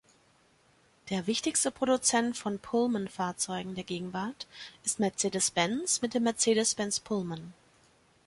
Der wichtigste Produzent von Pullman-Fahrzeugen der Gegenwart ist Mercedes-Benz mit dem Mercedes-Benz Pullman.